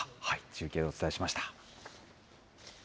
中継でお伝えしました。